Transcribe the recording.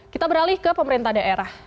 kita beralih ke pemerintah daerah